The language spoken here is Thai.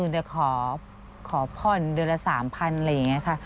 แต่ขอผ่อนเดือนละ๓๐๐๐บาทอะไรอย่างนี้ค่ะ